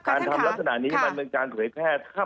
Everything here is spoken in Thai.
การทำลักษณะนี้มันเป็นการถูกให้แพทย์